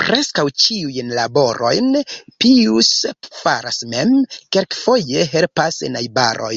Preskaŭ ĉiujn laborojn Pijus faras mem, kelkfoje helpas najbaroj.